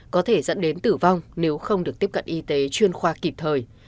có thể dẫn đến tử vong nếu không được tiếp cận y tế chuyên khoa kịp thời